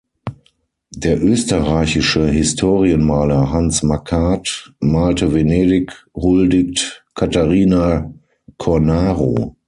Der österreichische Historienmaler Hans Makart malte „Venedig huldigt Catarina Cornaro“.